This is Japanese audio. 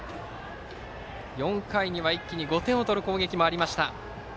４回には一気に５点を取る攻撃がありました。